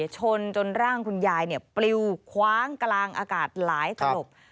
ชนจนร่างคุณยายปลิวคว้างกลางอากาศหลายตลบ